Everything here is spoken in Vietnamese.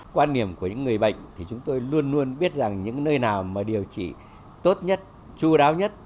quan điểm của những người bệnh thì chúng tôi luôn luôn biết rằng những nơi nào mà điều trị tốt nhất chú đáo nhất